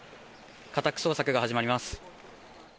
家宅捜索が始まります。